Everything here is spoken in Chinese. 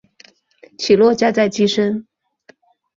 起落架在机身。